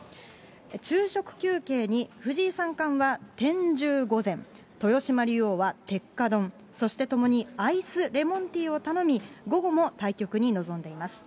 昼食休憩に、藤井三冠は天重御前、豊島竜王は鉄火丼、そしてともにアイスレモンティーを頼み、午後も対局に臨んでいます。